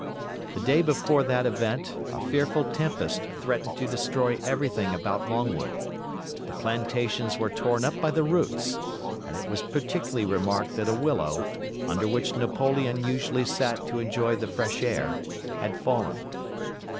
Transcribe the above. The day before that event a fearful tempest threatened to destroy everything about Longwood. The plantations were torn up by the roots, and it was particularly remarked that a willow, under which Napoleon usually sat to enjoy the fresh air, had fallen.